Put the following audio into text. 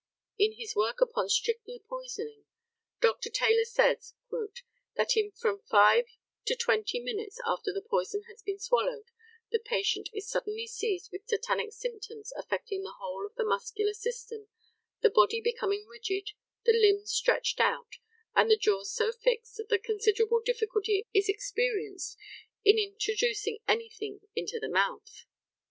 In his work upon strychnia poisoning, Dr. Taylor says, "that in from five to twenty minutes after the poison has been swallowed the patient is suddenly seized with tetanic symptoms affecting the whole of the muscular system, the body becoming rigid, the limbs stretched out, and the jaws so fixed that considerable difficulty is experienced in introducing anything into the mouth."